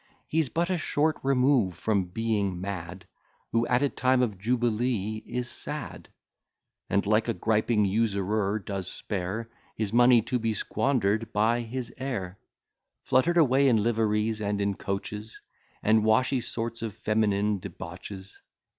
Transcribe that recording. He's but a short remove from being mad, Who at a time of jubilee is sad, And, like a griping usurer, does spare His money to be squander'd by his heir; Flutter'd away in liveries and in coaches, And washy sorts of feminine debauches.